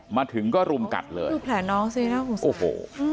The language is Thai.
มาถึงก็รุมกัดเลยโอ้โห